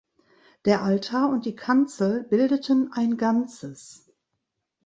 Der Altar und die Kanzel bildeten ein Ganzes.